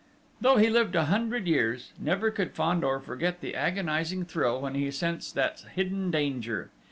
Though he lived a hundred years, never could Fandor forget the agonising thrill when he sensed that hidden danger!